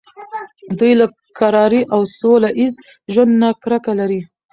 دوی له کرارۍ او سوله ایز ژوند نه کرکه لري.